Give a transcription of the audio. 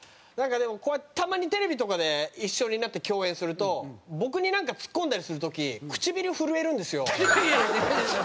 なんかでもこうやってたまにテレビとかで一緒になって共演すると僕になんかツッコんだりする時唇震えるんですよ。